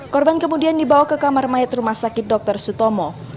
korban kemudian dibawa ke kamar mayat rumah sakit dr sutomo